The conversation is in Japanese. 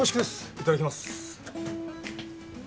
いただきます。